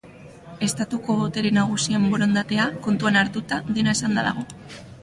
Estatuko botere nagusien borondatea kontuan hartuta, dena esanda dago.